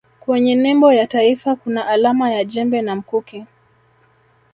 kwenye nembo ya taifa kuna alama ya jembe na mkuki